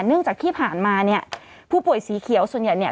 เนื่องจากที่ผ่านมาเนี่ยผู้ป่วยสีเขียวส่วนใหญ่เนี่ย